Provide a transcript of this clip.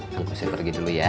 kang kusoy pergi dulu ya